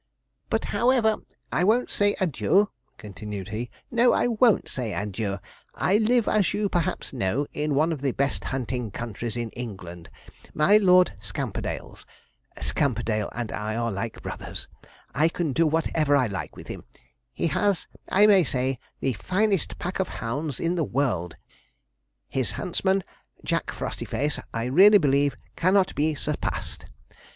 'But, however, I won't say adieu,' continued he; 'no, I won't say adieu! I live, as you perhaps know, in one of the best hunting countries in England my Lord Scamperdale's Scamperdale and I are like brothers; I can do whatever I like with him he has, I may say, the finest pack of hounds in the world; his huntsman, Jack Frostyface, I really believe, cannot be surpassed.